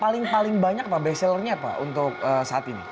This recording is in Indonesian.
paling paling banyak apa baselernya apa untuk saat ini